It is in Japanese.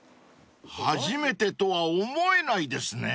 ［初めてとは思えないですね］